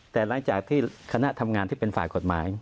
แต่หลังจากที่คณะทำงานที่เป็นฝ่ายกฎหมาย